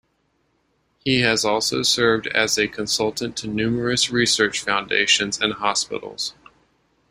He has also served as a consultant to numerous research foundations and hospitals.